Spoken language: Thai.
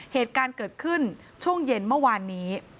เหตุการณ์เกิดขึ้นช่วงเย็นเมื่อวานนี้